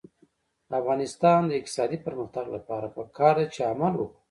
د افغانستان د اقتصادي پرمختګ لپاره پکار ده چې عمل وکړو.